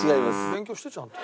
勉強してちゃんと。